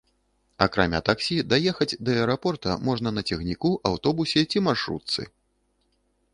Акрамя таксі даехаць да аэрапорта можна на цягніку, аўтобусе ці маршрутцы.